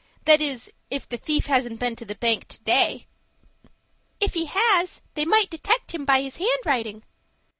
"That is, if the thief hasn't been to the bank to day." "If he has, they might detect him by his handwriting."